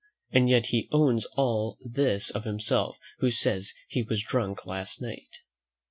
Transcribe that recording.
And yet he owns all this of himself who says he was drunk last night.